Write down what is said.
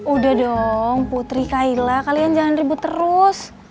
udah dong putri kayla kalian jangan ribut terus